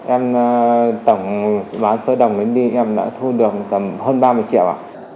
em tổng bán số đồng đến đi em đã thu được tầm hơn ba mươi triệu